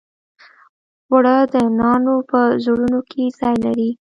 اوړه د نانو په زړونو کې ځای لري